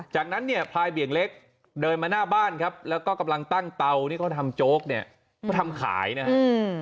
จากนั้นเนี่ยพลายเบี่ยงเล็กเดินมาหน้าบ้านครับแล้วก็กำลังตั้งเตาที่เขาทำโจ๊กเนี่ยเขาทำขายนะฮะ